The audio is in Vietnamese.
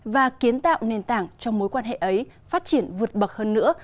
và kiến tạo nền tảng cho mối quan hệ ấy phát triển vượt bậc hơn nữa